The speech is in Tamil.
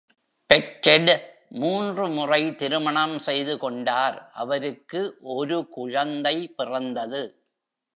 பெக்கெட் மூன்று முறை திருமணம் செய்து கொண்டார், அவருக்கு ஒரு குழந்தை பிறந்தது.